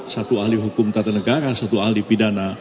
satu ahli hukum tata negara satu ahli pidana